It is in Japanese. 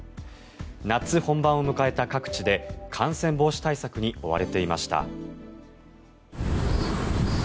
夏本番を迎えた各地で感染防止対策に追われていました。